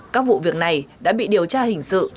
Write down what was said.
các vụ việc này đã bị điều tra hình sự